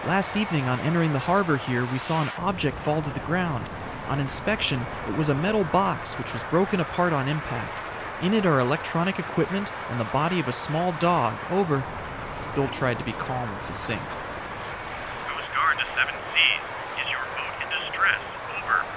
"Last evening on entering the harbor here we saw an object fall to the ground. On inspection, it was a metal box which was broken apart on impact. In it are electronic equipment and the body of a small dog. Over." Bill tried to be calm and succinct. "Coast Guard to Seven Seas. Is your boat in distress? Over."